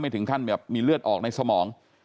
ถึงขั้นแบบมีเลือดออกในสมอง